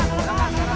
ada apa ada apa